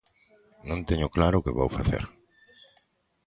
Non teño claro o que vou facer.